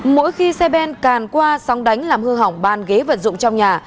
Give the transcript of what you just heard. mỗi khi xe ben càn qua sóng đánh làm hư hỏng ban ghế vật dụng trong nhà